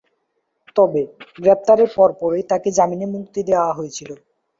তবে, গ্রেফতারের পরপরই তাকে জামিনে মুক্তি দেয়া হয়েছিল।